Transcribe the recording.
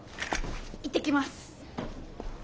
いってきます。